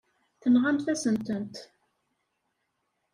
Tenɣamt-asent-ten.